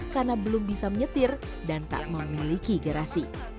karena belum bisa menyetir dan tak memiliki garasi